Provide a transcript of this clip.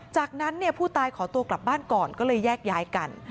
จากนั้นผู้ตายขอตัวกลับบ้านก่อนก็เลยแยกย้ายกัน